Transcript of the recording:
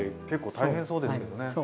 結構大変そうですよね。